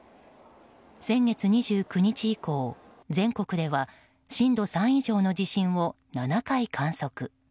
先月２９日以降、全国では震度３以上の地震を７回観測。